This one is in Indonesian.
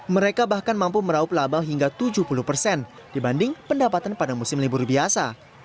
mereka bahkan mampu meraup laba hingga tujuh puluh persen dibanding pendapatan pada musim libur biasa